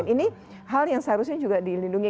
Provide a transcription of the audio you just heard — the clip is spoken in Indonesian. ini hal yang seharusnya juga dilindungi